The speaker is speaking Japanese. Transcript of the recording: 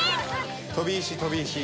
飛び石飛び石。